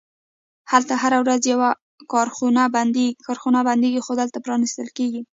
هلته هره ورځ یوه کارخونه بندیږي، خو دلته پرانیستل کیږي